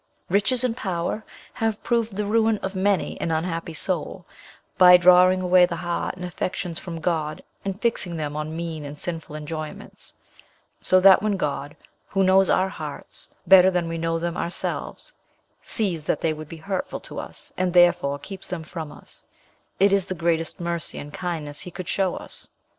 Riches and power have proved the ruin of many an unhappy soul, by drawing away the heart and affections from God, and fixing them on mean and sinful enjoyments; so that, when God, who knows our hearts better than we know them ourselves, sees that they would be hurtful to us, and therefore keeps them from us, it is the greatest mercy and kindness he could show us.